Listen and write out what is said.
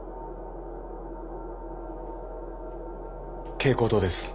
蛍光灯です。